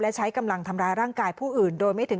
และใช้กำลังทำร้ายร่างกายผู้อื่นโดยไม่ถึง